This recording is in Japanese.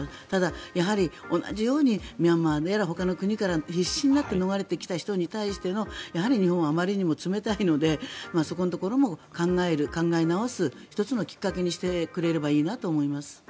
ただ、やはり同じようにミャンマーやほかの国から必死になって逃れてきた人たちへ日本はあまりにも冷たいのでそこのところを考える、考え直す１つのきっかけにしてくれればいいなと思います。